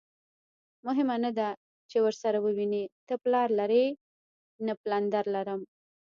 مهمه نه ده چې ورسره ووینې، ته پلار لرې؟ نه، پلندر لرم.